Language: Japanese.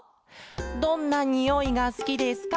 「どんなにおいがすきですか？」